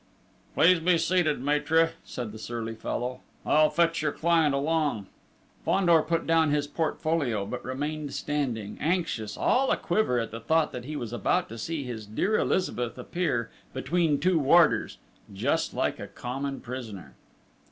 "Please be seated, maître," said the surly fellow. "I'll fetch your client along!" Fandor put down his portfolio, but remained standing, anxious, all aquiver at the thought that he was about to see his dear Elizabeth appear between two warders, just like a common prisoner!